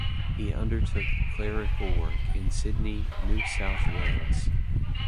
He undertook clerical work in Sydney, New South Wales.